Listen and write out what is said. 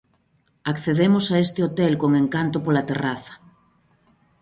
Accedemos a este hotel con encanto pola terraza.